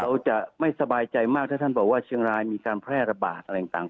เราจะไม่สบายใจมากถ้าท่านบอกว่าเชียงรายมีการแพร่ระบาดอะไรต่าง